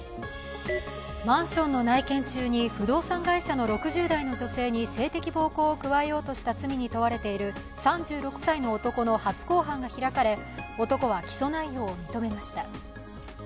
マンションの内見中に不動産会社の６０代の女性に性的暴行を加えようとした罪に問われている３６歳の男の初公判が開かれ男は起訴内容を認めました。